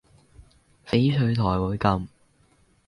翡翠台會噉